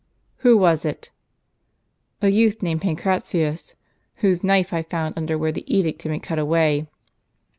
"Who was it?" " A youth named Pancratius, M'hose knife I found under where the edict had been cut away."